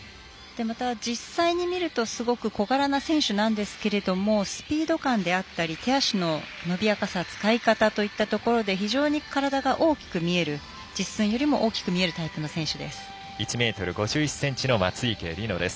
実際に見るとすごく小柄な選手なんですけれどもスピード感であったり手足の伸びやかさ使い方といったところで非常に体が実寸よりも大きく見えるタイプの選手です。